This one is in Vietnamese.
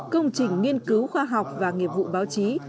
công trình nghiên cứu khoa học và nghiệp vụ báo chí